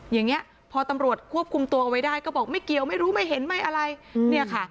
อย่างนี้พอตำรวจควบคุมตัวเอาไว้ได้ก็บอกไม่เกี่ยวไม่รู้ไม่เห็นไม่อะไรเนี่ยค่ะ